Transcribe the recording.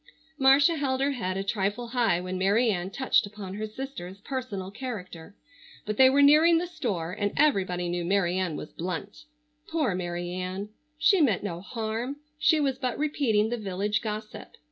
Marcia held her head a trifle high when Mary Ann touched upon her sister's personal character, but they were nearing the store, and everybody knew Mary Ann was blunt. Poor Mary Ann! She meant no harm. She was but repeating the village gossip.